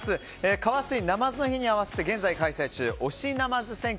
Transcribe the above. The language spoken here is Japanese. カワスイ「ナマズ」の日に合わせて現在開催中推しナマズ選挙